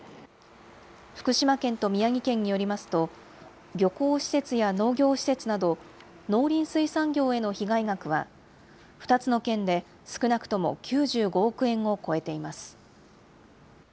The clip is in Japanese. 福島県と宮城県によりますと、漁港施設や農業施設など、農林水産業への被害額は、２つの県で少なくとも９５億円を超えています。